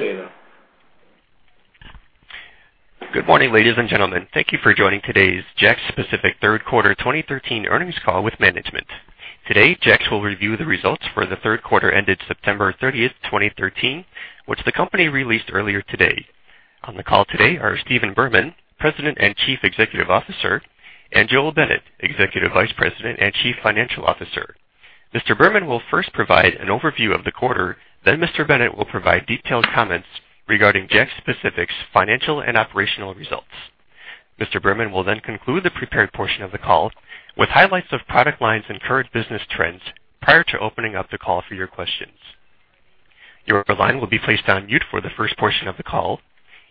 Good morning, ladies and gentlemen. Thank you for joining today's JAKKS Pacific third quarter 2013 earnings call with management. Today, JAKKS will review the results for the third quarter ended September 30th, 2013, which the company released earlier today. On the call today are Stephen Berman, President and Chief Executive Officer, and Joel Bennett, Executive Vice President and Chief Financial Officer. Mr. Stephen Berman will first provide an overview of the quarter. Mr. Bennett will provide detailed comments regarding JAKKS Pacific's financial and operational results. Mr. Stephen Berman will then conclude the prepared portion of the call with highlights of product lines and current business trends prior to opening up the call for your questions. Your line will be placed on mute for the first portion of the call.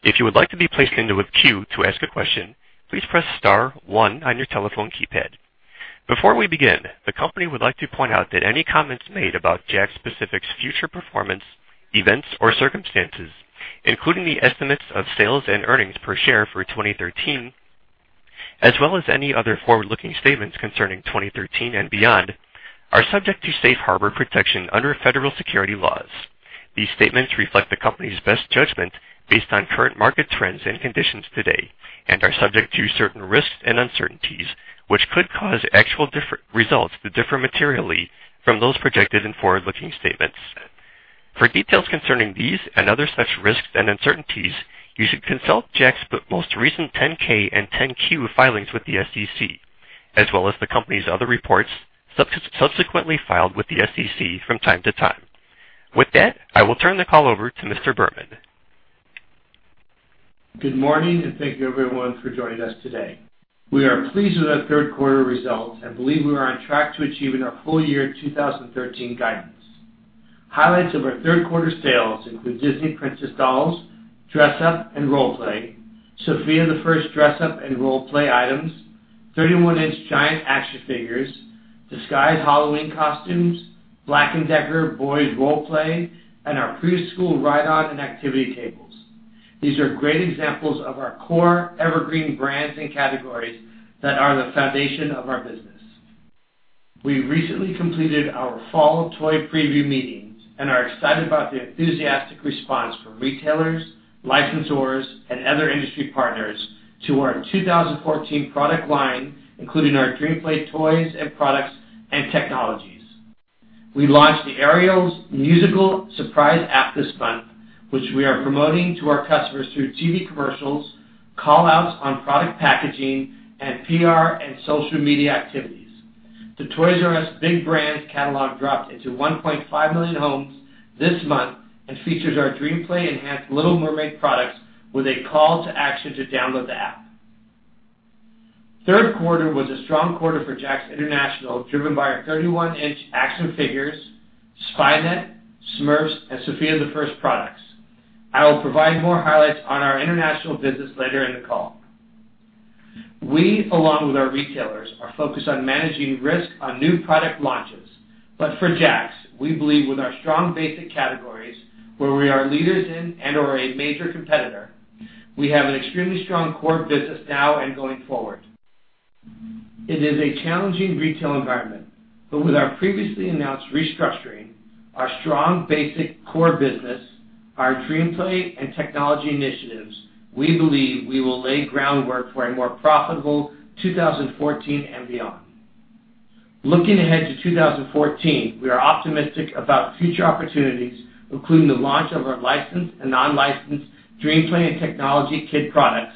If you would like to be placed into a queue to ask a question, please press *1 on your telephone keypad. Before we begin, the company would like to point out that any comments made about JAKKS Pacific's future performance, events, or circumstances, including the estimates of sales and earnings per share for 2013, as well as any other forward-looking statements concerning 2013 and beyond, are subject to Safe Harbor protection under federal securities laws. These statements reflect the company's best judgment based on current market trends and conditions today and are subject to certain risks and uncertainties, which could cause actual results to differ materially from those projected in forward-looking statements. For details concerning these and other such risks and uncertainties, you should consult JAKKS' most recent 10-K and 10-Q filings with the SEC, as well as the company's other reports subsequently filed with the SEC from time to time. With that, I will turn the call over to Mr. Stephen Berman. Good morning, and thank you, everyone, for joining us today. We are pleased with our third-quarter results and believe we are on track to achieving our full year 2013 guidance. Highlights of our third-quarter sales include Disney Princess dolls, dress-up, and role-play, Sofia the First dress-up and role-play items, 31-inch giant action figures, Disguise Halloween costumes, Black & Decker boys role-play, and our preschool ride-on and activity tables. These are great examples of our core evergreen brands and categories that are the foundation of our business. We recently completed our fall toy preview meetings and are excited about the enthusiastic response from retailers, licensors, and other industry partners to our 2014 product line, including our DreamPlay toys and products and technologies. We launched the Ariel's Musical Surprise app this month, which we are promoting to our customers through TV commercials, call-outs on product packaging, and PR and social media activities. The Toys R Us Big Brands catalog dropped into 1.5 million homes this month and features our DreamPlay enhanced The Little Mermaid products with a call to action to download the app. Third quarter was a strong quarter for JAKKS International, driven by our 31-inch action figures, Spy Net, The Smurfs, and Sofia the First products. I will provide more highlights on our international business later in the call. We, along with our retailers, are focused on managing risk on new product launches. For JAKKS, we believe with our strong basic categories where we are leaders in and/or a major competitor, we have an extremely strong core business now and going forward. It is a challenging retail environment, but with our previously announced restructuring, our strong basic core business, our DreamPlay and technology initiatives, we believe we will lay groundwork for a more profitable 2014 and beyond. Looking ahead to 2014, we are optimistic about future opportunities, including the launch of our licensed and non-licensed DreamPlay and technology kid products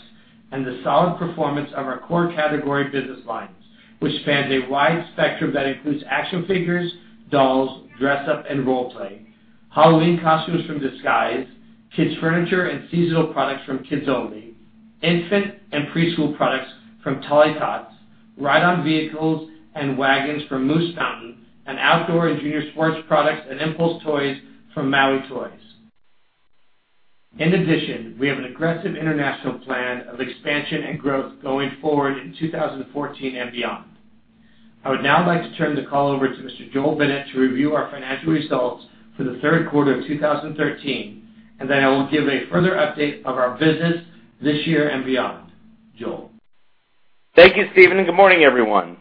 and the solid performance of our core category business lines, which spans a wide spectrum that includes action figures, dolls, dress-up, and role-play, Halloween costumes from Disguise, kids furniture and seasonal products from Kids Only!, infant and preschool products from Tollytots, ride-on vehicles and wagons from Moose Mountain, and outdoor and junior sports products and impulse toys from Maui Toys. In addition, we have an aggressive international plan of expansion and growth going forward in 2014 and beyond. I would now like to turn the call over to Mr. Joel Bennett to review our financial results for the third quarter of 2013, and then I will give a further update of our business this year and beyond. Joel. Thank you, Stephen, and good morning, everyone.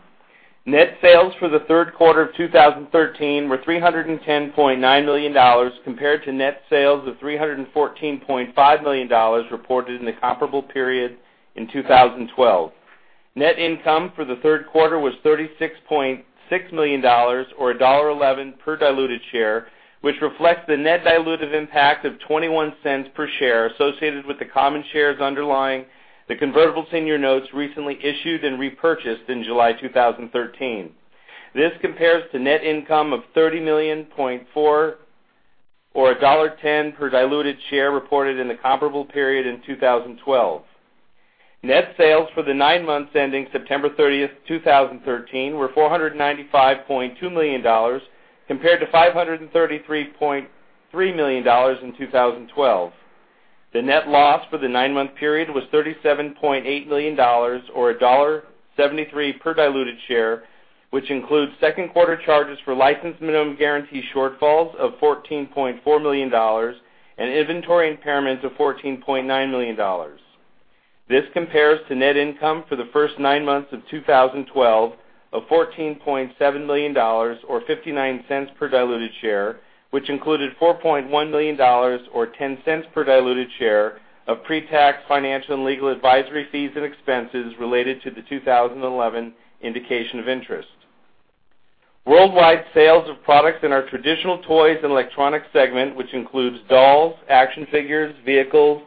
Net sales for the third quarter of 2013 were $310.9 million compared to net sales of $314.5 million reported in the comparable period in 2012. Net income for the third quarter was $36.6 million, or $1.11 per diluted share, which reflects the net dilutive impact of $0.21 per share associated with the common shares underlying the convertible senior notes recently issued and repurchased in July 2013. This compares to net income of $30.4 million or $1.10 per diluted share reported in the comparable period in 2012. Net sales for the nine months ending September 30th, 2013, were $495.2 million compared to $533.3 million in 2012. The net loss for the nine-month period was $37.8 million, or $1.73 per diluted share, which includes second quarter charges for license minimum guarantee shortfalls of $14.4 million and inventory impairments of $14.9 million. This compares to net income for the first nine months of 2012 of $14.7 million, or $0.59 per diluted share, which included $4.1 million, or $0.10 per diluted share, of pre-tax, financial, and legal advisory fees and expenses related to the 2011 indication of interest. Worldwide sales of products in our Traditional Toys and Electronics segment, which includes dolls, action figures, vehicles,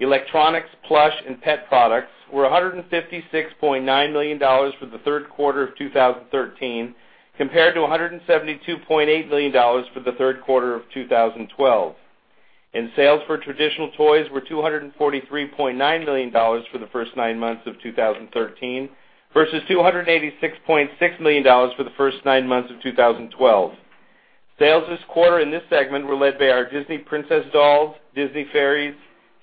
electronics, plush, and pet products, were $156.9 million for the third quarter of 2013, compared to $172.8 million for the third quarter of 2012. Sales for Traditional Toys were $243.9 million for the first nine months of 2013 versus $286.6 million for the first nine months of 2012. Sales this quarter in this segment were led by our Disney Princess dolls, Disney Fairies,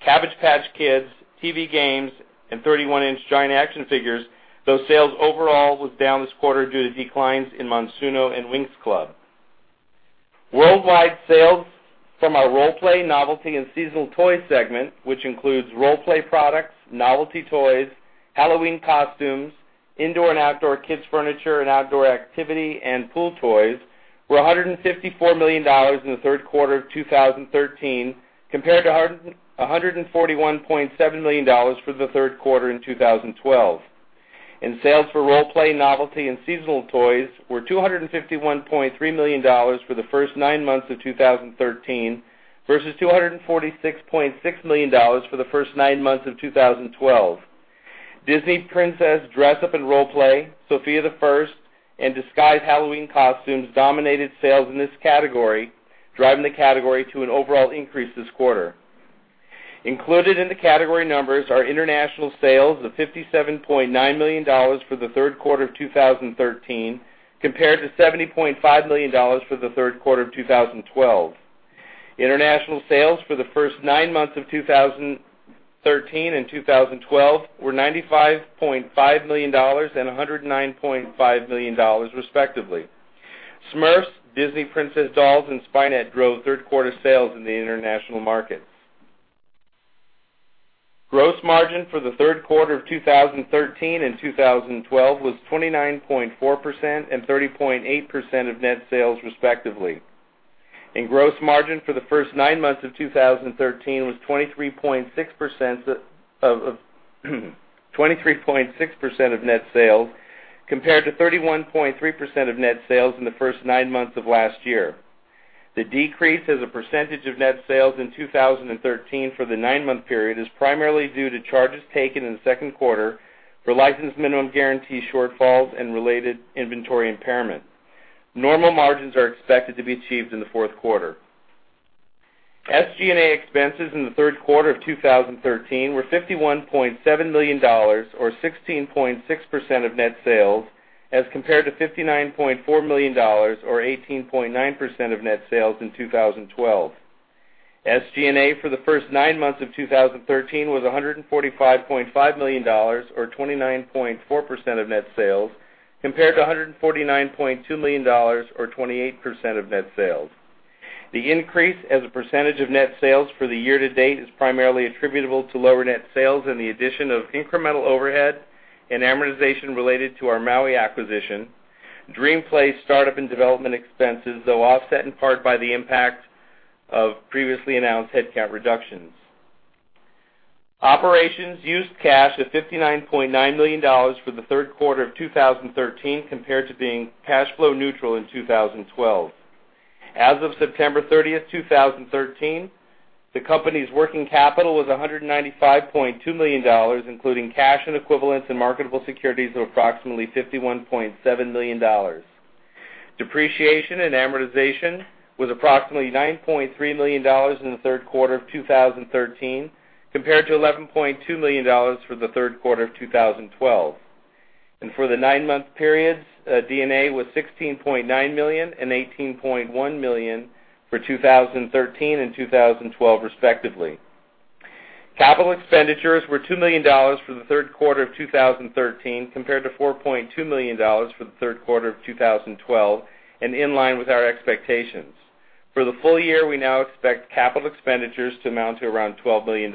Cabbage Patch Kids, TV games, and 31-inch giant action figures, though sales overall was down this quarter due to declines in Monsuno and Winx Club. Worldwide sales from our Role Play, Novelty, and Seasonal Toys segment, which includes role play products, novelty toys, Halloween costumes, indoor and outdoor kids furniture, and outdoor activity and pool toys, were $154 million in the third quarter of 2013, compared to $141.7 million for the third quarter in 2012. Sales for Role Play, Novelty, and Seasonal Toys were $251.3 million for the first nine months of 2013 versus $246.6 million for the first nine months of 2012. Disney Princess Dress Up and Role Play, Sofia the First, and Disguise Halloween costumes dominated sales in this category, driving the category to an overall increase this quarter. Included in the category numbers are international sales of $57.9 million for the third quarter of 2013 compared to $70.5 million for the third quarter of 2012. International sales for the first nine months of 2013 and 2012 were $95.5 million and $109.5 million, respectively. The Smurfs, Disney Princess dolls, and Spy Net drove third-quarter sales in the international markets. Gross margin for the third quarter of 2013 and 2012 was 29.4% and 30.8% of net sales, respectively. Gross margin for the first nine months of 2013 was 23.6% of net sales compared to 31.3% of net sales in the first nine months of last year. The decrease as a percentage of net sales in 2013 for the nine-month period is primarily due to charges taken in the second quarter for license minimum guarantee shortfalls and related inventory impairment. Normal margins are expected to be achieved in the fourth quarter. SG&A expenses in the third quarter of 2013 were $51.7 million, or 16.6% of net sales, as compared to $59.4 million, or 18.9% of net sales, in 2012. SG&A for the first nine months of 2013 was $145.5 million, or 29.4% of net sales, compared to $149.2 million, or 28% of net sales. The increase as a percentage of net sales for the year to date is primarily attributable to lower net sales and the addition of incremental overhead and amortization related to our Maui acquisition, DreamPlay startup and development expenses, though offset in part by the impact of previously announced headcount reductions. Operations used cash of $59.9 million for the third quarter of 2013, compared to being cash flow neutral in 2012. As of September 30th, 2013, the company's working capital was $195.2 million, including cash equivalents and marketable securities of approximately $51.7 million. Depreciation and amortization was approximately $9.3 million in the third quarter of 2013 compared to $11.2 million for the third quarter of 2012. For the nine-month periods, D&A was $16.9 million and $18.1 million for 2013 and 2012, respectively. Capital expenditures were $2 million for the third quarter of 2013 compared to $4.2 million for the third quarter of 2012 and in line with our expectations. For the full year, we now expect capital expenditures to amount to around $12 million.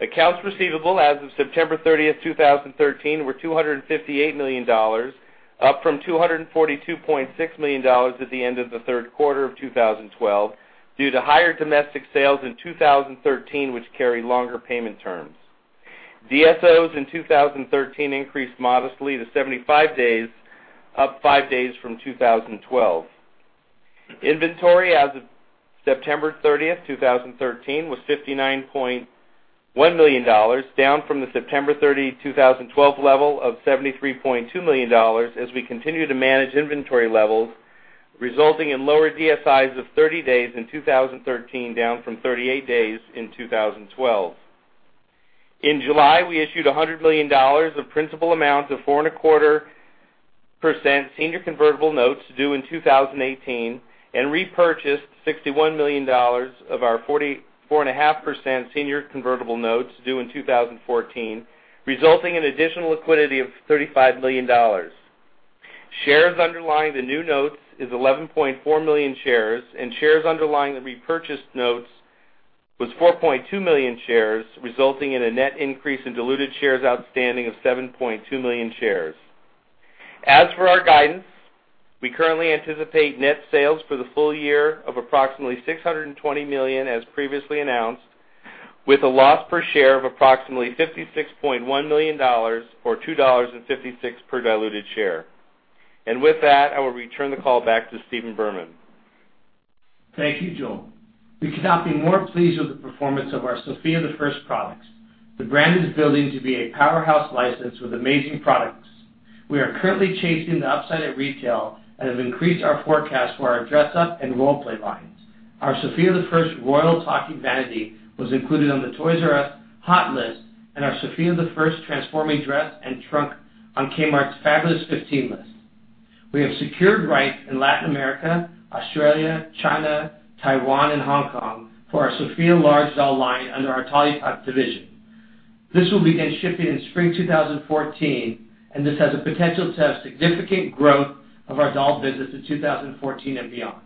Accounts receivable as of September 30th, 2013, were $258 million, up from $242.6 million at the end of the third quarter of 2012 due to higher domestic sales in 2013, which carry longer payment terms. DSOs in 2013 increased modestly to 75 days, up five days from 2012. Inventory as of September 30th, 2013, was $59.1 million, down from the September 30, 2012, level of $73.2 million as we continue to manage inventory levels, resulting in lower DSIs of 30 days in 2013, down from 38 days in 2012. In July, we issued $100 million of principal amounts of 4.25% senior convertible notes due in 2018 and repurchased $61 million of our 4.5% senior convertible notes due in 2014, resulting in additional liquidity of $35 million. Shares underlying the new notes is 11.4 million shares, and shares underlying the repurchased notes was 4.2 million shares, resulting in a net increase in diluted shares outstanding of 7.2 million shares. As for our guidance, we currently anticipate net sales for the full year of approximately $620 million, as previously announced, with a net loss of approximately $56.1 million, or $2.56 per diluted share. With that, I will return the call back to Stephen Berman. Thank you, Joel. We could not be more pleased with the performance of our Sofia the First products. The brand is building to be a powerhouse license with amazing products. We are currently chasing the upside at retail and have increased our forecast for our dress-up and role-play lines. Our Sofia the First Royal Talking Vanity was included on the Toys R Us Hot List, and our Sofia the First Transforming Dress and Trunk on Kmart's Fabulous 15 list. We have secured rights in Latin America, Australia, China, Taiwan, and Hong Kong for our Sofia large doll line under our Tollytots division. This will begin shipping in spring 2014, this has a potential to have significant growth of our doll business in 2014 and beyond.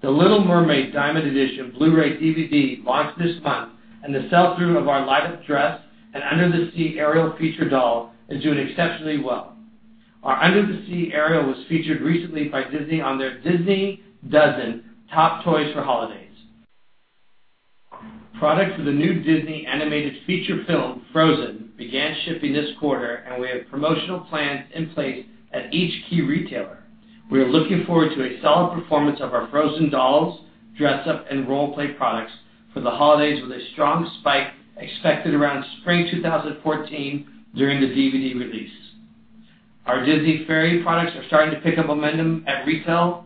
“The Little Mermaid” Diamond Edition Blu-ray/DVD launched this month, the sell-through of our light-up dress and Under the Sea Ariel feature doll is doing exceptionally well. Our Under the Sea Ariel was featured recently by Disney on their Disney Dozen Top Toys for Holidays. Products for the new Disney animated feature film, “Frozen,” began shipping this quarter, we have promotional plans in place at each key retailer. We are looking forward to a solid performance of our Frozen dolls, dress-up, and role-play products for the holidays, with a strong spike expected around spring 2014 during the DVD release. Our Disney Fairies products are starting to pick up momentum at retail.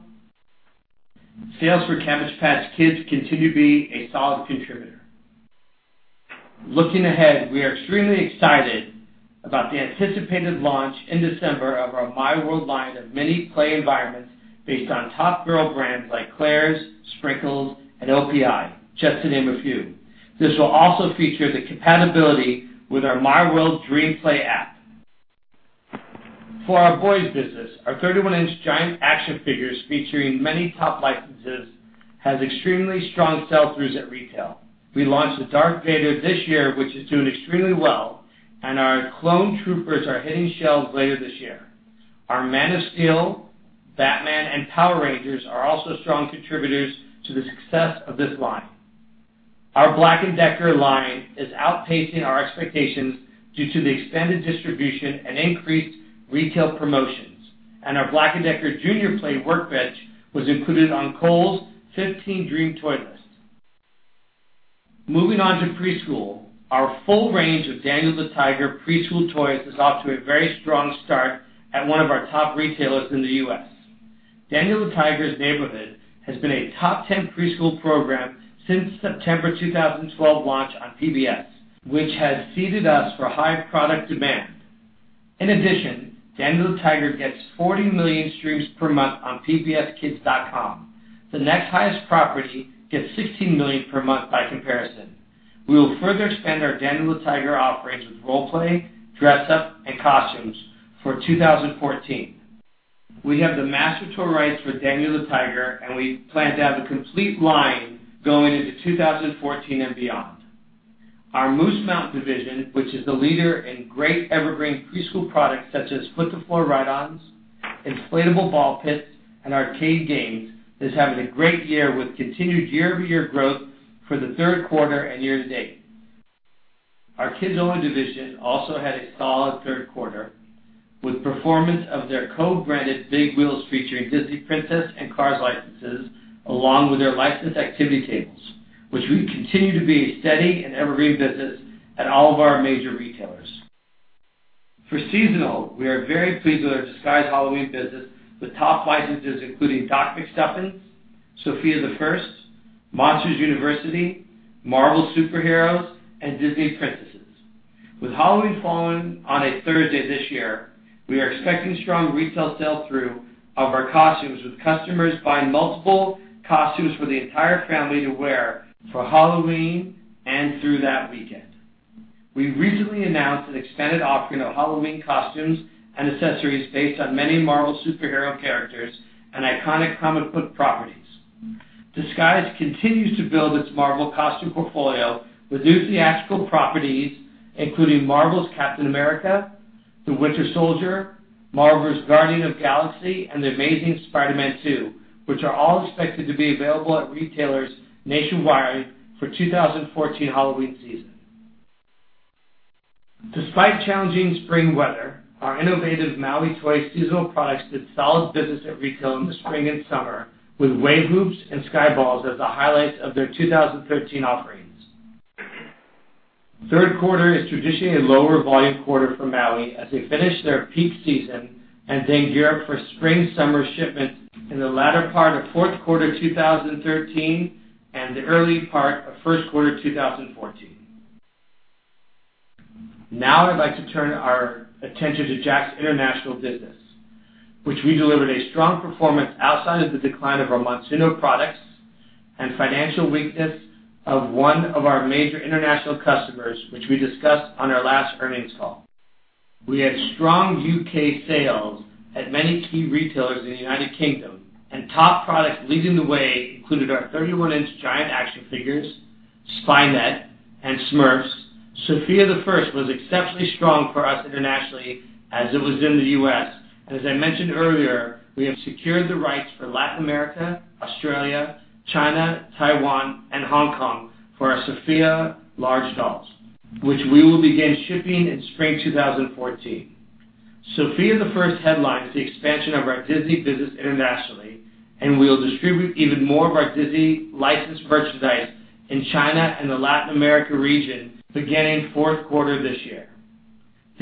Sales for Cabbage Patch Kids continue to be a solid contributor. Looking ahead, we are extremely excited about the anticipated launch in December of our MiWorld line of mini play environments based on top girl brands like Claire's, Sprinkles, and OPI, just to name a few. This will also feature the compatibility with our MiWorld DreamPlay app. For our boys business, our 31-inch giant action figures featuring many top licenses has extremely strong sell-throughs at retail. We launched the Darth Vader this year, which is doing extremely well, our Clone Troopers are hitting shelves later this year. Our Man of Steel, Batman, and Power Rangers are also strong contributors to the success of this line. Our Black & Decker line is outpacing our expectations due to the expanded distribution and increased retail promotions. Our Black & Decker Junior Play Workbench was included on Kohl's 15 Dream Toy list. Moving on to preschool, our full range of Daniel Tiger preschool toys is off to a very strong start at one of our top retailers in the U.S. Daniel Tiger's Neighborhood has been a top 10 preschool program since September 2012 launch on PBS, which has seeded us for high product demand. In addition, Daniel Tiger gets 40 million streams per month on pbskids.org. The next highest property gets 16 million per month by comparison. We will further expand our Daniel Tiger offerings with role-play, dress-up, and costumes for 2014. We have the master toy rights for Daniel Tiger, we plan to have a complete line going into 2014 and beyond. Our Moose Mountain division, which is the leader in great evergreen preschool products such as foot-to-floor ride-ons, inflatable ball pits, and arcade games, is having a great year with continued year-over-year growth for the third quarter and year-to-date. Our Kid O division also had a solid third quarter with performance of their co-branded Big Wheels featuring Disney Princess and Cars licenses, along with their licensed activity tables, which will continue to be a steady and evergreen business at all of our major retailers. For seasonal, we are very pleased with our Disguise Halloween business, with top licenses including Doc McStuffins, Sofia the First, Monsters University, Marvel Super Heroes, and Disney Princesses. With Halloween falling on a Thursday this year, we are expecting strong retail sell-through of our costumes, with customers buying multiple costumes for the entire family to wear for Halloween and through that weekend. We recently announced an expanded offering of Halloween costumes and accessories based on many Marvel Superhero characters and iconic comic book properties. Disguise continues to build its Marvel costume portfolio with new theatrical properties, including Marvel's "Captain America," "The Winter Soldier," Marvel's "Guardians of the Galaxy," and "The Amazing Spider-Man 2," which are all expected to be available at retailers nationwide for 2014 Halloween season. Despite challenging spring weather, our innovative Maui Toys seasonal products did solid business at retail in the spring and summer, with wave hoops and Sky Balls as the highlights of their 2013 offerings. Third quarter is traditionally a lower volume quarter for Maui as they finish their peak season, then gear up for spring-summer shipments in the latter part of fourth quarter 2013 and the early part of first quarter 2014. Now, I'd like to turn our attention to JAKKS' International business, which we delivered a strong performance outside of the decline of our Monsuno products, financial weakness of one of our major international customers, which we discussed on our last earnings call. We have strong U.K. sales at many key retailers in the United Kingdom, and top products leading the way included our 31-inch giant action figures, Spy Net, and Smurfs. Sofia the First was exceptionally strong for us internationally, as it was in the U.S. As I mentioned earlier, we have secured the rights for Latin America, Australia, China, Taiwan, and Hong Kong for our Sofia large dolls, which we will begin shipping in spring 2014. Sofia the First headlines the expansion of our Disney business internationally. We will distribute even more of our Disney licensed merchandise in China and the Latin America region beginning fourth quarter this year.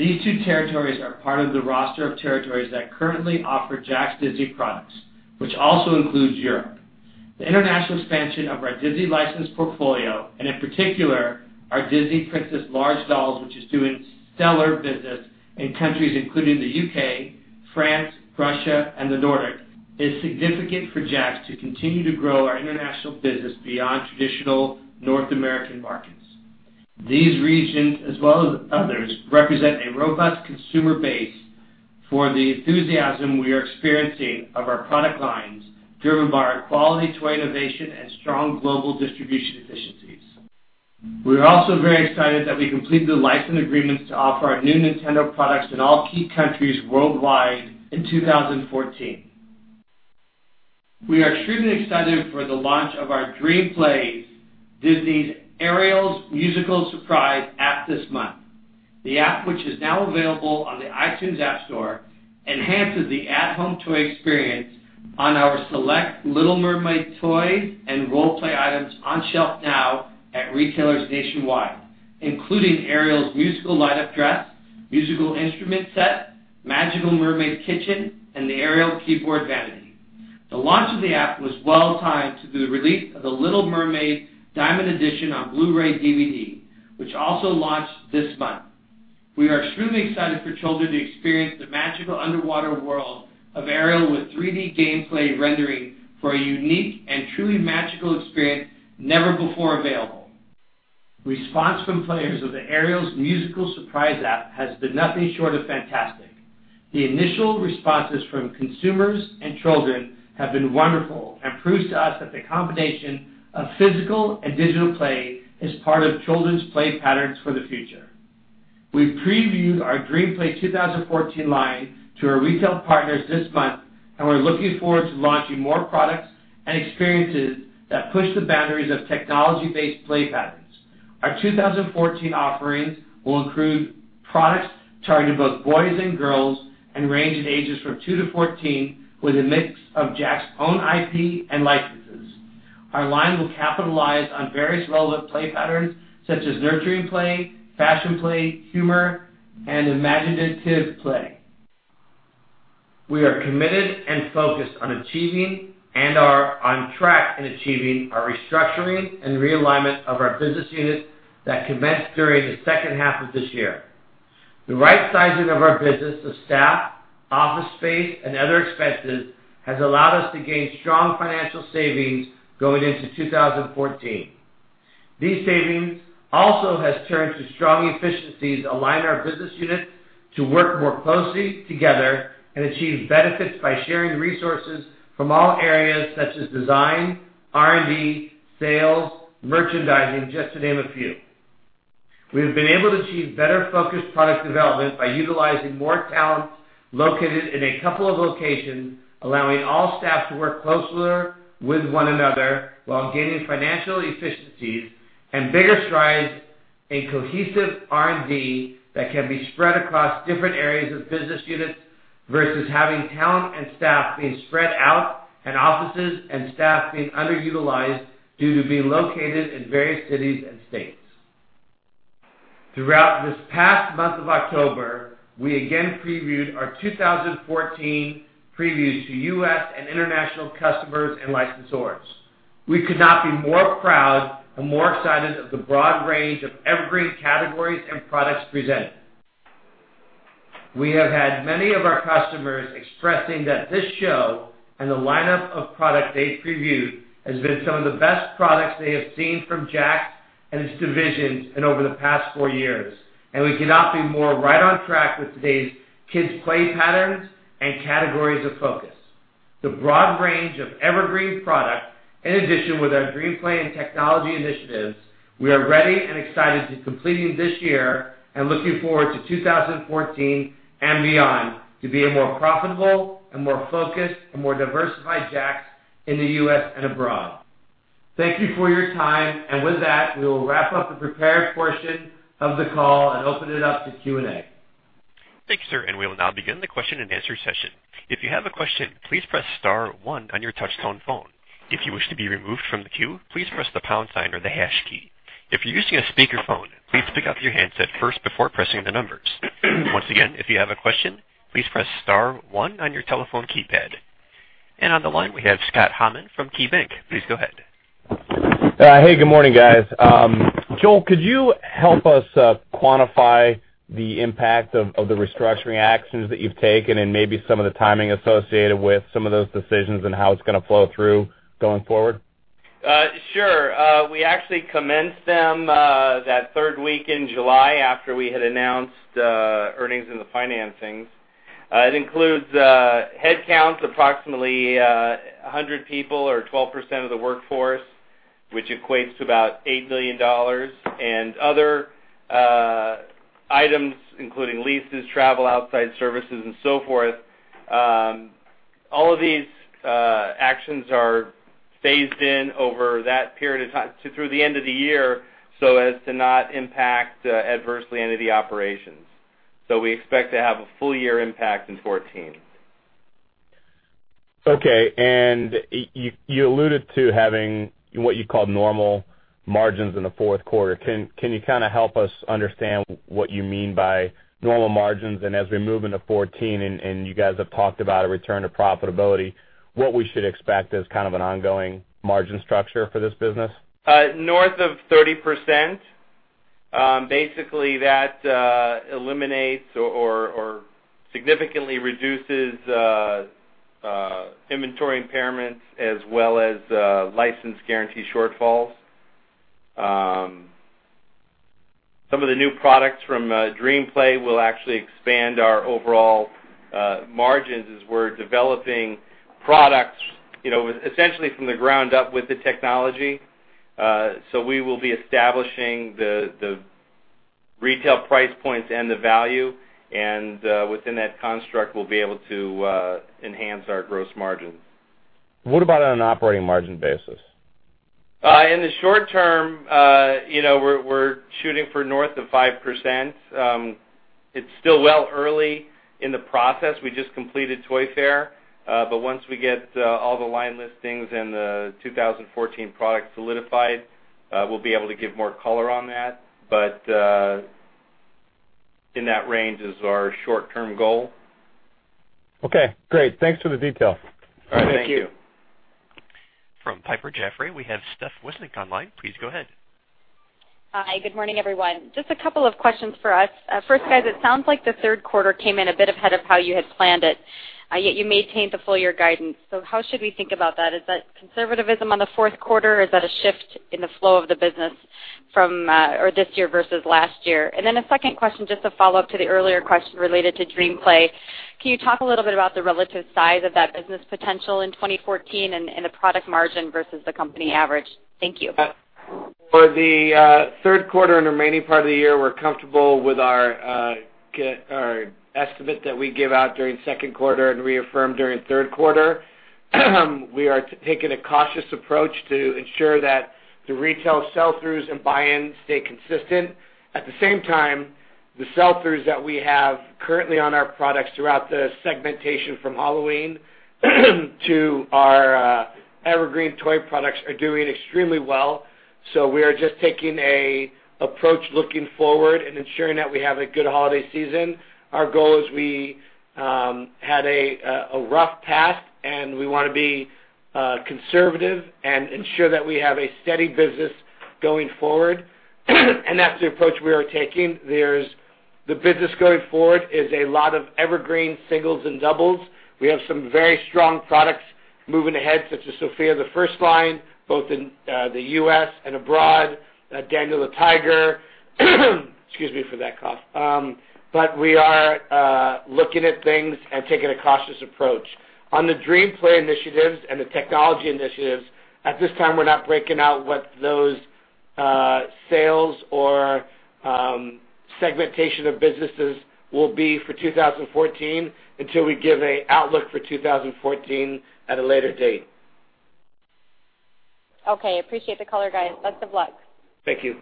These two territories are part of the roster of territories that currently offer JAKKS Disney products, which also includes Europe. The international expansion of our Disney licensed portfolio, and in particular our Disney Princess large dolls, which is doing stellar business in countries including the U.K., France, Russia, and the Nordic, is significant for JAKKS to continue to grow our international business beyond traditional North American markets. These regions, as well as others, represent a robust consumer base for the enthusiasm we are experiencing of our product lines, driven by our quality toy innovation and strong global distribution efficiencies. We are also very excited that we completed the license agreements to offer our new Nintendo products in all key countries worldwide in 2014. We are extremely excited for the launch of our DreamPlay Disney's Ariel's Musical Surprise app this month. The app, which is now available on the iTunes App Store, enhances the at-home toy experience on our select The Little Mermaid toys and role-play items on shelf now at retailers nationwide, including Ariel's Musical Light-Up Dress, Musical Instrument Set, Magical Mermaid Kitchen, and the Ariel Keyboard Vanity. The launch of the app was well-timed to the release of The Little Mermaid Diamond Edition on Blu-ray DVD, which also launched this month. We are extremely excited for children to experience the magical underwater world of Ariel with 3D gameplay rendering for a unique and truly magical experience never before available. Response from players of the Ariel's Musical Surprise app has been nothing short of fantastic. The initial responses from consumers and children have been wonderful and proves to us that the combination of physical and digital play is part of children's play patterns for the future. We previewed our DreamPlay 2014 line to our retail partners this month. We're looking forward to launching more products and experiences that push the boundaries of technology-based play patterns. Our 2014 offerings will include products targeted at both boys and girls and range in ages from 2 to 14 with a mix of JAKKS' own IP and licenses. Our line will capitalize on various relevant play patterns such as nurturing play, fashion play, humor, and imaginative play. We are committed and focused on achieving and are on track in achieving our restructuring and realignment of our business units that commenced during the second half of this year. The right sizing of our business, the staff, office space, and other expenses has allowed us to gain strong financial savings going into 2014. These savings also have turned to strong efficiencies, align our business units to work more closely together and achieve benefits by sharing the resources from all areas such as design, R&D, sales, merchandising, just to name a few. We have been able to achieve better-focused product development by utilizing more talent located in a couple of locations, allowing all staff to work closer with one another while gaining financial efficiencies and bigger strides in cohesive R&D that can be spread across different areas of business units versus having talent and staff being spread out and offices and staff being underutilized due to being located in various cities and states. Throughout this past month of October, we again previewed our 2014 previews to U.S. and international customers and licensors. We could not be more proud and more excited of the broad range of evergreen categories and products presented. We have had many of our customers expressing that this show and the lineup of product they previewed has been some of the best products they have seen from JAKKS and its divisions in over the past four years. We could not be more right on track with today's kids play patterns and categories of focus. The broad range of evergreen product, in addition with our DreamPlay and technology initiatives, we are ready and excited to completing this year and looking forward to 2014 and beyond to be a more profitable and more focused and more diversified JAKKS in the U.S. and abroad. Thank you for your time. With that, we will wrap up the prepared portion of the call and open it up to Q&A. Thank you, sir. We will now begin the question-and-answer session. If you have a question, please press star one on your touchtone phone. If you wish to be removed from the queue, please press the pound sign or the hash key. If you're using a speakerphone, please pick up your handset first before pressing the numbers. Once again, if you have a question, please press star one on your telephone keypad. On the line, we have Scott Hamman from KeyBanc. Please go ahead. Hey, good morning, guys. Joel, could you help us quantify the impact of the restructuring actions that you've taken and maybe some of the timing associated with some of those decisions and how it's going to flow through going forward? Sure. We actually commenced them that third week in July after we had announced earnings and the financings. It includes a headcount of approximately 100 people or 12% of the workforce, which equates to about $8 million, and other items including leases, travel, outside services, and so forth. All of these actions are phased in over that period of time through the end of the year, so as to not impact adversely any of the operations. We expect to have a full-year impact in 2014. Okay. You alluded to having what you called normal margins in the fourth quarter. Can you help us understand what you mean by normal margins? As we move into 2014, and you guys have talked about a return to profitability, what we should expect as kind of an ongoing margin structure for this business? North of 30%. Basically, that eliminates or significantly reduces inventory impairments as well as license guarantee shortfalls. Some of the new products from DreamPlay will actually expand our overall margins as we're developing products essentially from the ground up with the technology. We will be establishing the retail price points and the value, and within that construct, we'll be able to enhance our gross margins. What about on an operating margin basis? In the short term, we're shooting for north of 5%. It's still well early in the process. We just completed Toy Fair. Once we get all the line listings and the 2014 product solidified, we'll be able to give more color on that. In that range is our short-term goal. Okay, great. Thanks for the detail. All right. Thank you. From Piper Jaffray, we have Steph Wissink online. Please go ahead. Hi. Good morning, everyone. Just a couple of questions for us. First, guys, it sounds like the third quarter came in a bit ahead of how you had planned it, yet you maintained the full-year guidance. How should we think about that? Is that conservatism on the fourth quarter? Is that a shift in the flow of the business from this year versus last year? A second question, just a follow-up to the earlier question related to DreamPlay. Can you talk a little bit about the relative size of that business potential in 2014 and the product margin versus the company average? Thank you. For the third quarter and the remaining part of the year, we're comfortable with our estimate that we gave out during the second quarter and reaffirmed during the third quarter. We are taking a cautious approach to ensure that the retail sell-throughs and buy-ins stay consistent. At the same time, the sell-throughs that we have currently on our products throughout the segmentation from Halloween to our evergreen toy products are doing extremely well. We are just taking an approach looking forward and ensuring that we have a good holiday season. Our goal is we had a rough path, and we want to be conservative and ensure that we have a steady business going forward. That's the approach we are taking. The business going forward is a lot of evergreen singles and doubles. We have some very strong products moving ahead, such as Sofia the First line, both in the U.S. and abroad, Daniel Tiger's Neighborhood. Excuse me for that cough. We are looking at things and taking a cautious approach. On the DreamPlay initiatives and the technology initiatives, at this time, we're not breaking out what those sales or segmentation of businesses will be for 2014 until we give an outlook for 2014 at a later date. Okay. Appreciate the color, guys. Best of luck. Thank you.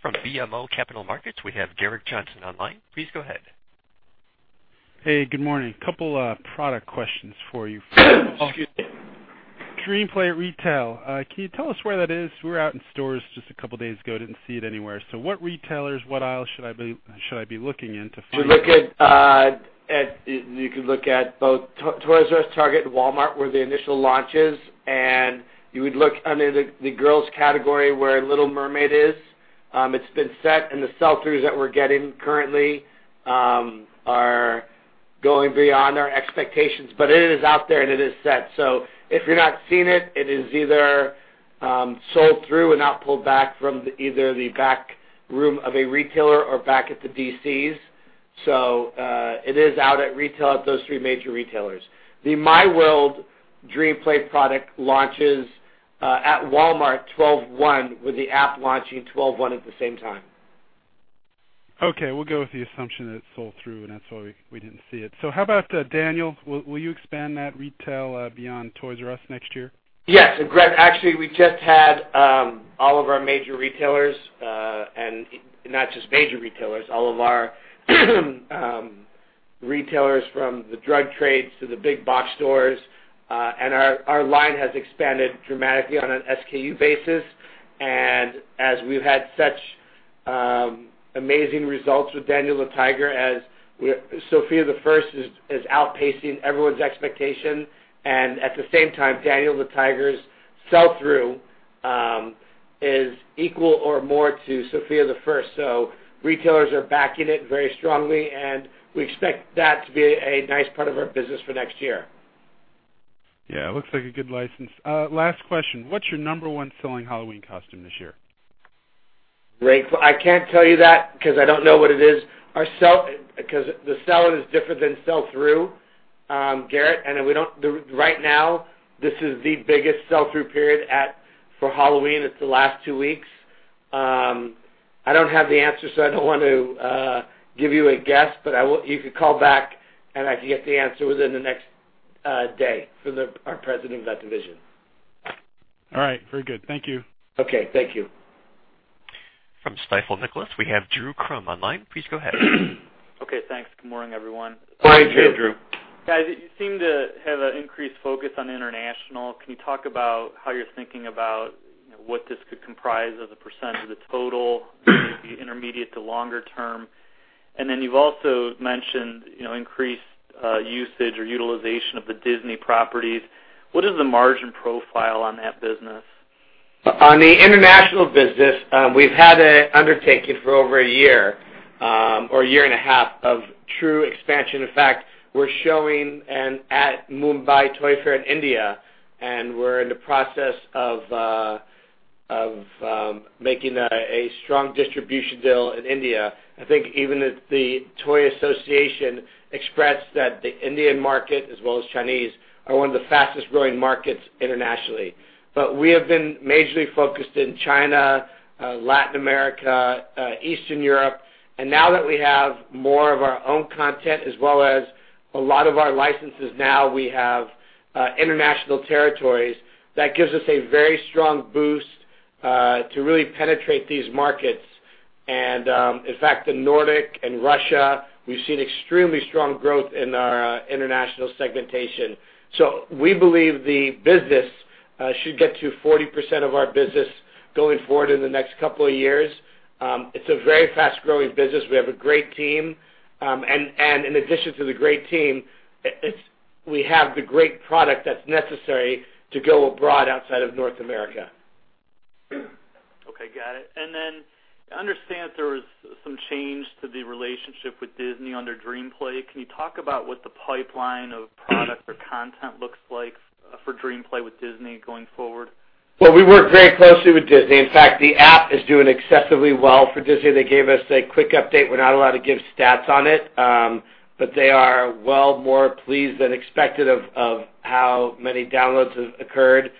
From BMO Capital Markets, we have Gerrick Johnson online. Please go ahead. Hey, good morning. A couple product questions for you. Excuse me. DreamPlay retail. Can you tell us where that is? We were out in stores just a couple of days ago, didn't see it anywhere. What retailers, what aisle should I be looking in to find that? You could look at both Toys R Us, Target, and Walmart were the initial launches. You would look under the girls category where Little Mermaid is. It's been set. The sell-throughs that we're getting currently are going beyond our expectations. It is out there, and it is set. If you're not seeing it is either sold through and not pulled back from either the back room of a retailer or back at the DCs. It is out at retail at those three major retailers. The MiWorld DreamPlay product launches at Walmart 12/1, with the app launching 12/1 at the same time. Okay, we'll go with the assumption that it's sold through. That's why we didn't see it. How about Daniel? Will you expand that retail beyond Toys R Us next year? Yes, Gerrick. Actually, we just had all of our major retailers, not just major retailers, all of our retailers from the drug trades to the big box stores. Our line has expanded dramatically on an SKU basis. As we've had such amazing results with Daniel the Tiger as Sofia the First is outpacing everyone's expectation, at the same time, Daniel the Tiger's sell-through is equal or more to Sofia the First. Retailers are backing it very strongly, and we expect that to be a nice part of our business for next year. Yeah, it looks like a good license. Last question, what's your number one selling Halloween costume this year? Great. I can't tell you that because I don't know what it is. Because the sell-in is different than sell-through, Gerrick Johnson, and right now, this is the biggest sell-through period for Halloween. It's the last two weeks. I don't have the answer, so I don't want to give you a guess, but you could call back, and I can get the answer within the next day from our president of that division. All right, very good. Thank you. Okay. Thank you. From Stifel Nicolaus, we have Drew Crum online. Please go ahead. Okay, thanks. Good morning, everyone. Morning, Drew. Guys, you seem to have an increased focus on international. Can you talk about how you're thinking about what this could comprise as a % of the total- maybe intermediate to longer term? Then you've also mentioned increased usage or utilization of the Disney properties. What is the margin profile on that business? On the international business, we've had an undertaking for over a year, or a year and a half, of true expansion. In fact, we're showing at Kids India in India, and we're in the process of making a strong distribution deal in India. I think even The Toy Association expressed that the Indian market, as well as Chinese, are one of the fastest-growing markets internationally. We have been majorly focused in China, Latin America, Eastern Europe, and now that we have more of our own content as well as a lot of our licenses now we have international territories, that gives us a very strong boost to really penetrate these markets. In fact, in Nordic and Russia, we've seen extremely strong growth in our international segmentation. We believe the business should get to 40% of our business going forward in the next couple of years. It's a very fast-growing business. We have a great team, and in addition to the great team, we have the great product that's necessary to go abroad outside of North America. Okay, got it. I understand there was some change to the relationship with Disney under DreamPlay. Can you talk about what the pipeline of content looks like for DreamPlay with Disney going forward? We work very closely with Disney. In fact, the app is doing excessively well for Disney. They gave us a quick update. We're not allowed to give stats on it, but they are well more pleased than expected of how many downloads have occurred.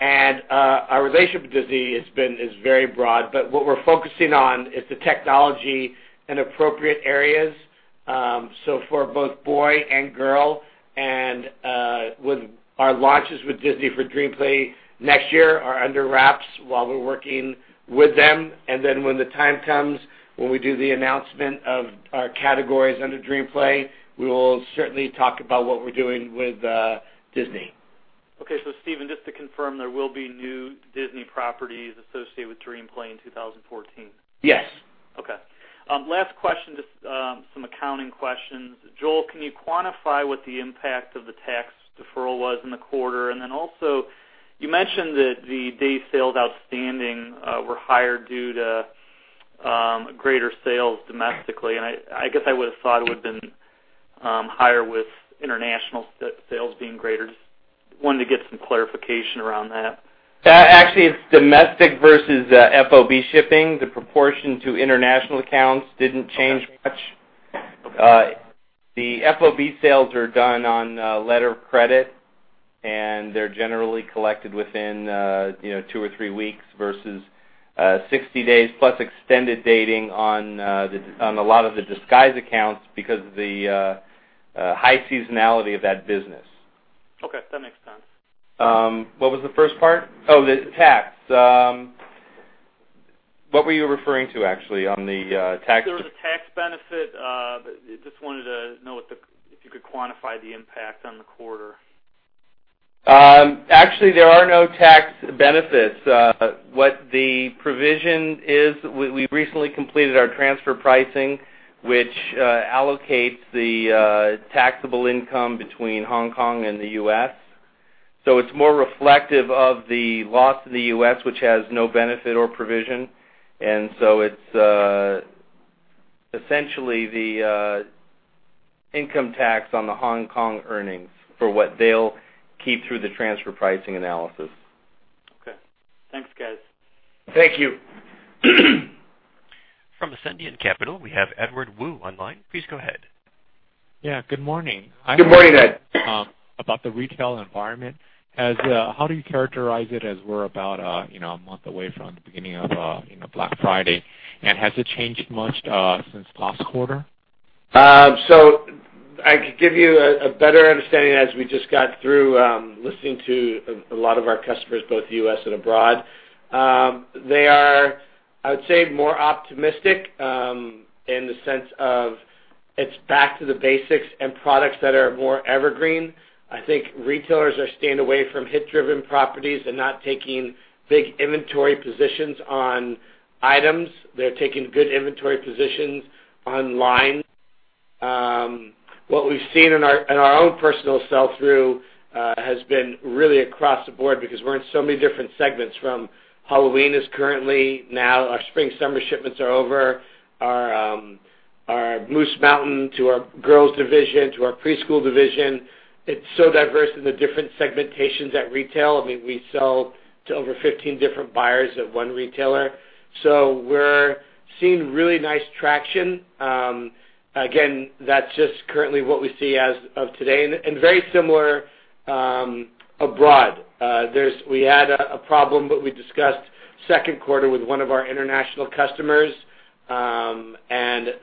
Our relationship with Disney is very broad, but what we're focusing on is the technology in appropriate areas, so for both boy and girl, and with our launches with Disney for DreamPlay next year are under wraps while we're working with them. When the time comes, when we do the announcement of our categories under DreamPlay, we will certainly talk about what we're doing with Disney. Okay. Stephen, just to confirm, there will be new Disney properties associated with DreamPlay in 2014? Yes. Okay. Last question, just some accounting questions. Joel, can you quantify what the impact of the tax deferral was in the quarter? Then also, you mentioned that the days sales outstanding were higher due to greater sales domestically, and I guess I would've thought it would've been higher with international sales being greater. Just wanted to get some clarification around that. Actually, it's domestic versus FOB shipping. The proportion to international accounts didn't change much. Okay. The FOB sales are done on letter of credit, and they're generally collected within two or three weeks versus 60 days plus extended dating on a lot of the Disguise accounts because of the high seasonality of that business. Okay. That makes sense. What was the first part? Oh, the tax. What were you referring to, actually, on the tax? There was a tax benefit. Just wanted to know if you could quantify the impact on the quarter. Actually, there are no tax benefits. What the provision is, we recently completed our transfer pricing, which allocates the taxable income between Hong Kong and the U.S. It's more reflective of the loss in the U.S., which has no benefit or provision. It's essentially the income tax on the Hong Kong earnings for what they'll keep through the transfer pricing analysis. Okay. Thanks, guys. Thank you. From Ascendiant Capital, we have Edward Wu online. Please go ahead. Yeah, good morning. Good morning, Ed. About the retail environment, how do you characterize it as we're about a month away from the beginning of Black Friday, and has it changed much since last quarter? I could give you a better understanding as we just got through listening to a lot of our customers, both U.S. and abroad. They are, I would say, more optimistic in the sense of it's back to the basics and products that are more evergreen. I think retailers are staying away from hit-driven properties. They're not taking big inventory positions on items. They're taking good inventory positions online What we've seen in our own personal sell-through has been really across the board because we're in so many different segments, from Halloween is currently now, our spring-summer shipments are over, our Moose Mountain to our girls division to our preschool division. It's so diverse in the different segmentations at retail. We sell to over 15 different buyers at one retailer. We're seeing really nice traction. Again, that's just currently what we see as of today, and very similar abroad. We had a problem, but we discussed second quarter with one of our international customers, and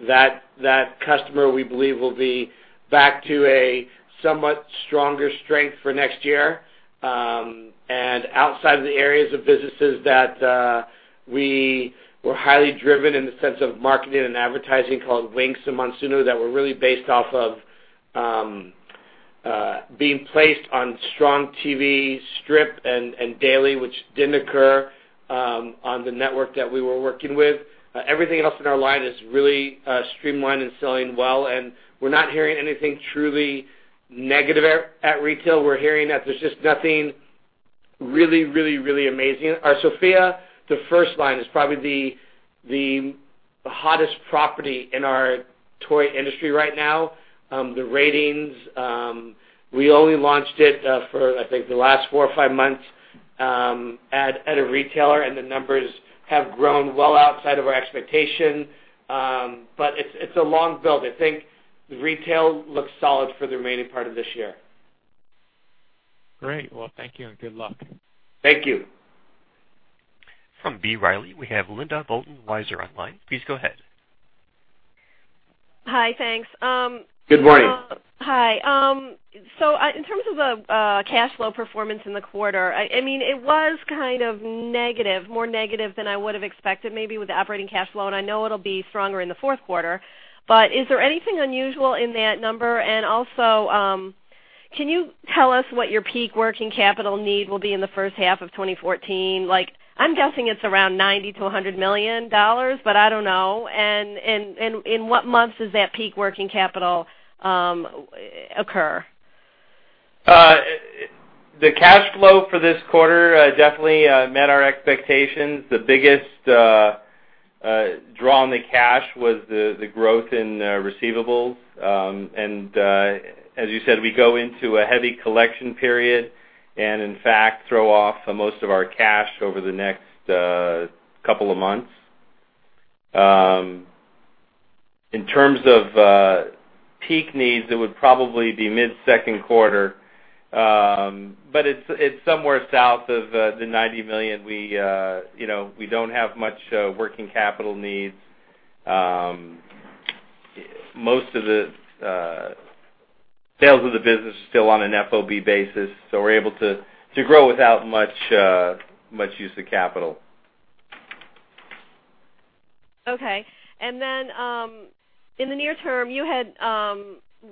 that customer, we believe, will be back to a somewhat stronger strength for next year. Outside of the areas of businesses that we were highly driven in the sense of marketing and advertising called Winx and Monsuno, that were really based off of being placed on strong TV strip and daily, which didn't occur on the network that we were working with. Everything else in our line is really streamlined and selling well, and we're not hearing anything truly negative at retail. We're hearing that there's just nothing really amazing. Our Sofia the First line is probably the hottest property in our toy industry right now. The ratings, we only launched it for, I think, the last four or five months at a retailer, and the numbers have grown well outside of our expectation. It's a long build. I think retail looks solid for the remaining part of this year. Great. Well, thank you and good luck. Thank you. From B. Riley, we have Linda Bolton Weiser on the line. Please go ahead. Hi, thanks. Good morning. Hi. In terms of the cash flow performance in the quarter, it was kind of negative, more negative than I would have expected, maybe with the operating cash flow, and I know it'll be stronger in the fourth quarter. Is there anything unusual in that number? Also, can you tell us what your peak working capital need will be in the first half of 2014? I'm guessing it's around $90 million-$100 million, but I don't know. In what months does that peak working capital occur? The cash flow for this quarter definitely met our expectations. The biggest draw on the cash was the growth in receivables. As you said, we go into a heavy collection period and, in fact, throw off most of our cash over the next couple of months. In terms of peak needs, it would probably be mid-second quarter, it's somewhere south of the $90 million. We don't have much working capital needs. Most of the sales of the business are still on an FOB basis, we're able to grow without much use of capital. Okay. In the near term, you had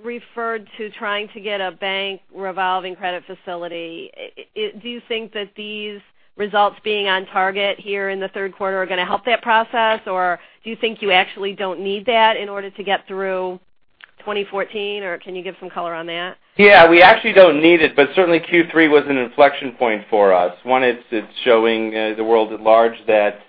referred to trying to get a bank revolving credit facility. Do you think that these results being on target here in the third quarter are going to help that process? Do you think you actually don't need that in order to get through 2014? Can you give some color on that? Yeah, we actually don't need it, but certainly Q3 was an inflection point for us. One, it's showing the world at large that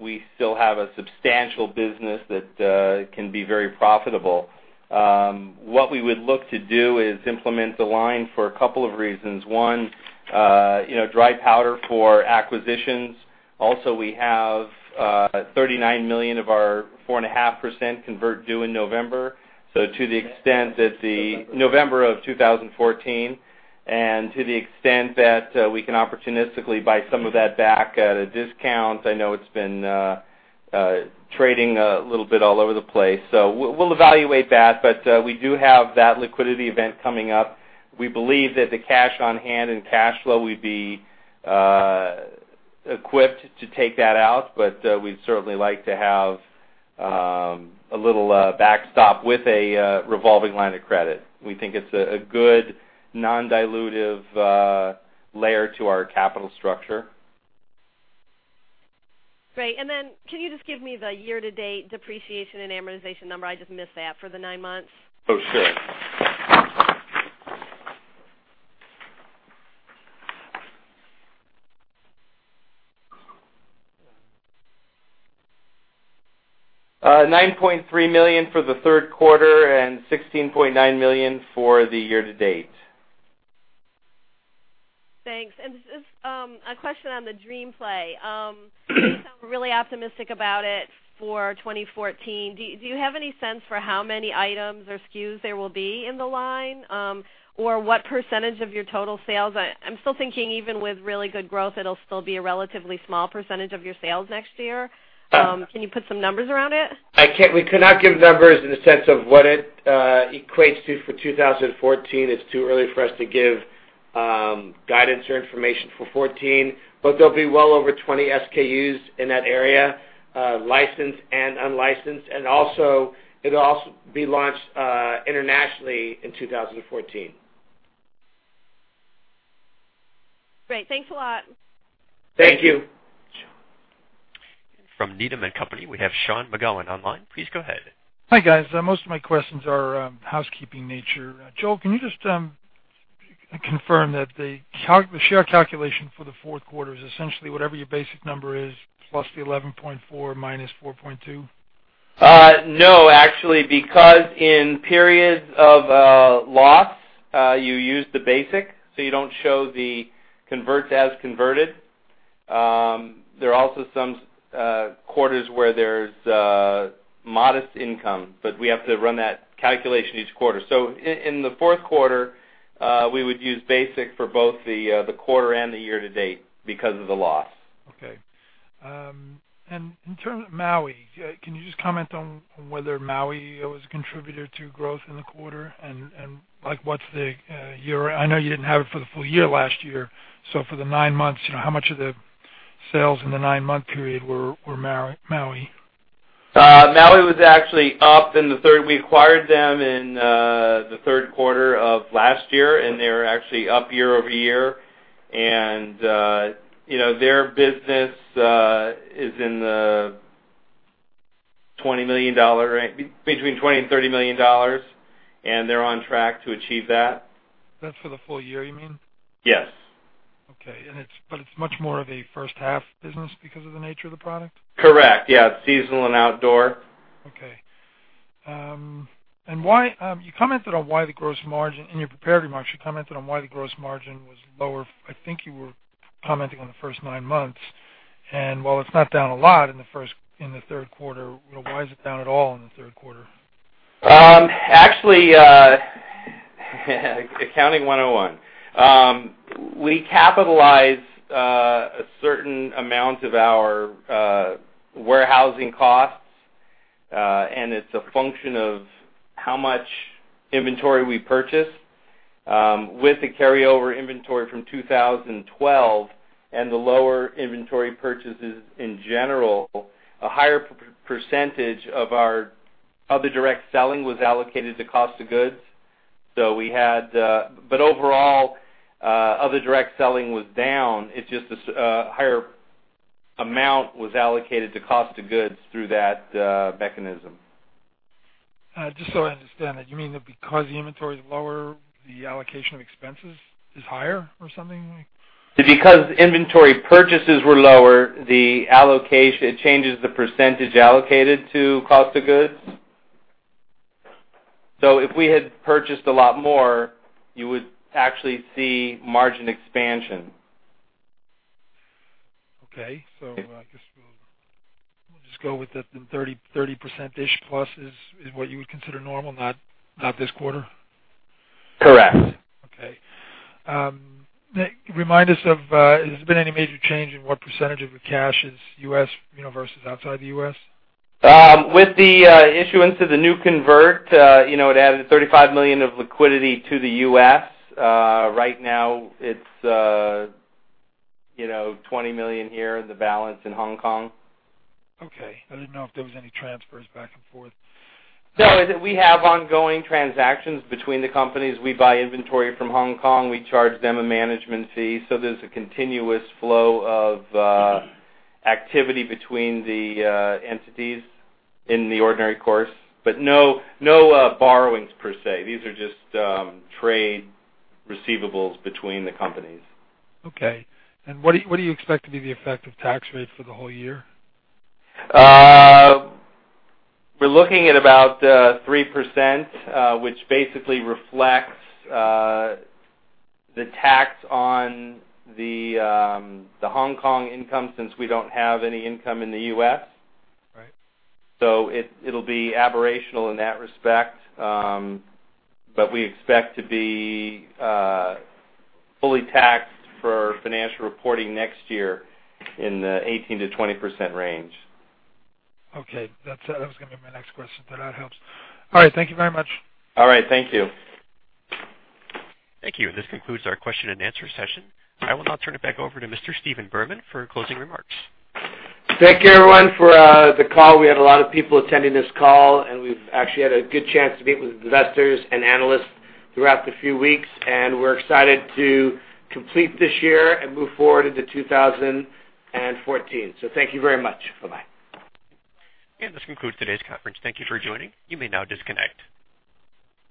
we still have a substantial business that can be very profitable. What we would look to do is implement the line for a couple of reasons. One, dry powder for acquisitions. Also, we have $39 million of our 4.5% convert due in November. To the extent that the- November. November of 2014, to the extent that we can opportunistically buy some of that back at a discount. I know it's been trading a little bit all over the place. We'll evaluate that, but we do have that liquidity event coming up. We believe that the cash on hand and cash flow would be equipped to take that out, but we'd certainly like to have a little backstop with a revolving line of credit. We think it's a good non-dilutive layer to our capital structure. Great, can you just give me the year-to-date depreciation and amortization number? I just missed that for the nine months. Oh, sure. $9.3 million for the third quarter and $16.9 million for the year to date. Thanks. Just a question on the DreamPlay. You sound really optimistic about it for 2014. Do you have any sense for how many items or SKUs there will be in the line? Or what % of your total sales? I'm still thinking even with really good growth, it'll still be a relatively small % of your sales next year. Can you put some numbers around it? We cannot give numbers in the sense of what it equates to for 2014. It's too early for us to give guidance or information for 2014. There'll be well over 20 SKUs in that area, licensed and unlicensed. Also, it'll also be launched internationally in 2014. Great. Thanks a lot. Thank you. From Needham & Company, we have Sean McGowan online. Please go ahead. Hi, guys. Most of my questions are housekeeping nature. Joel, can you just confirm that the share calculation for the fourth quarter is essentially whatever your basic number is plus the 11.4 minus 4.2? No, actually, because in periods of loss, you use the basic, so you don't show the converts as converted. There are also some quarters where there's modest income, but we have to run that calculation each quarter. In the fourth quarter, we would use basic for both the quarter and the year to date because of the loss. Okay. In terms of Maui, can you just comment on whether Maui was a contributor to growth in the quarter and what's the year? I know you didn't have it for the full year last year. For the nine months, how much of the sales in the nine-month period were Maui? Maui was actually up in the third. We acquired them in the third quarter of last year, and they were actually up year-over-year. Their business is between $20 million and $30 million. They're on track to achieve that. That's for the full year, you mean? Yes. Okay. It's much more of a first-half business because of the nature of the product? Correct. Yeah. It's seasonal and outdoor. Okay. In your prepared remarks, you commented on why the gross margin was lower. I think you were commenting on the first nine months. While it's not down a lot in the third quarter, why is it down at all in the third quarter? Actually, accounting 101. We capitalize a certain amount of our warehousing costs, and it's a function of how much inventory we purchase. With the carryover inventory from 2012 and the lower inventory purchases in general, a higher % of our other direct selling was allocated to cost of goods. Overall, other direct selling was down. It's just a higher amount was allocated to cost of goods through that mechanism. Just so I understand that, you mean that because the inventory is lower, the allocation of expenses is higher or something like? Because inventory purchases were lower, it changes the percentage allocated to cost of goods. If we had purchased a lot more, you would actually see margin expansion. Okay. I guess we'll just go with the 30%-ish plus is what you would consider normal, not this quarter. Correct. Okay. Remind us, has there been any major change in what % of your cash is U.S. versus outside the U.S.? With the issuance of the new convert, it added $35 million of liquidity to the U.S. Right now, it's $20 million here and the balance in Hong Kong. Okay. I didn't know if there was any transfers back and forth. No. We have ongoing transactions between the companies. We buy inventory from Hong Kong. We charge them a management fee. There's a continuous flow of activity between the entities in the ordinary course. No borrowings per se. These are just trade receivables between the companies. Okay. What do you expect to be the effective tax rate for the whole year? We're looking at about 3%, which basically reflects the tax on the Hong Kong income since we don't have any income in the U.S. Right. It'll be aberrational in that respect. We expect to be fully taxed for financial reporting next year in the 18%-20% range. Okay. That was going to be my next question, so that helps. All right. Thank you very much. All right. Thank you. Thank you. This concludes our question and answer session. I will now turn it back over to Mr. Stephen Berman for closing remarks. Thank you, everyone, for the call. We had a lot of people attending this call, and we've actually had a good chance to meet with investors and analysts throughout the few weeks, and we're excited to complete this year and move forward into 2014. Thank you very much. Bye-bye. This concludes today's conference. Thank you for joining. You may now disconnect.